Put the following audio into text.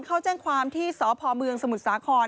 เข้าแจ้งความที่สพเมืองสมุทรสาคร